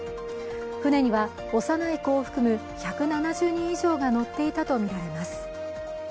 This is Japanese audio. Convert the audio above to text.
船には幼い子を含む１７０人以上が乗っていたとみられます。